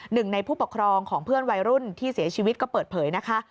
หนึ่งในผู้ปกครองของเพื่อนวัยรุ่นที่เสียชีวิตก็เปิดเผยนะคะ